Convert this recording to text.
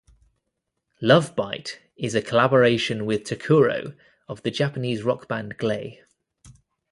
"Lovebite" is a collaboration with Takuro of the Japanese rock band Glay.